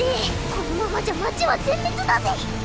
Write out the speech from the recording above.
このままじゃ町は全滅だぜ。